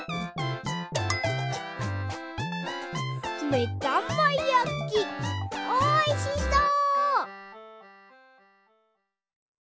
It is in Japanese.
めだまやきおいしそう！